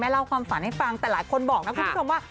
เล่าความฝันให้ฟังแต่หลายคนบอกนะคุณผู้ชมว่า